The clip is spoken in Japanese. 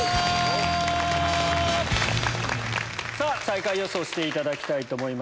最下位予想していただきたいと思います。